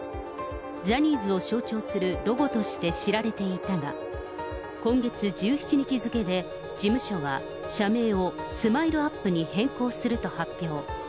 ジャニーズを象徴するロゴとして知られていたが、今月１７日付で、事務所は社名をスマイルアップに変更すると発表。